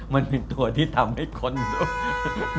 มันเป็นตัวที่ทำให้คนดู